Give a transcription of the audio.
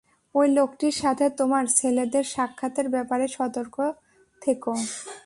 ঐ লোকটির সাথে তোমার ছেলেদের সাক্ষাতের ব্যাপারে সতর্ক থেকো।